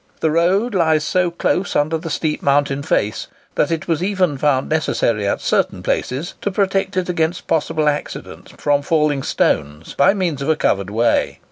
The road lies so close under the steep mountain face, that it was even found necessary at certain places to protect it against possible accidents from falling stones, by means of a covered way.